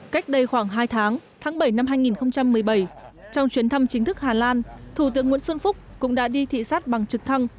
cách đây khoảng hai tháng tháng bảy năm hai nghìn một mươi bảy trong chuyến thăm chính thức hà lan thủ tướng nguyễn xuân phúc cũng đã đi thị xác bằng trực thăng